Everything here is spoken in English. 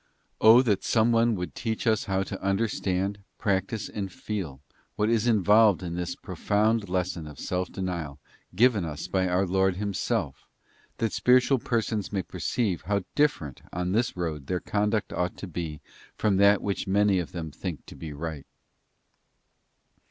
'* O that some one would teach us how to understand, practise, and feel what is involved in this profound lesson of self denial given us by our Lord Himself, that spiritual persons may perceive how different, on this road, their conduct ought to be from that which many of them think to be right!